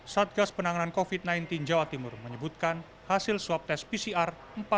satgas penanganan covid sembilan belas jawa timur menyebutkan hasil swab tes pcr